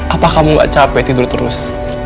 apa kamu gak capek tidur terus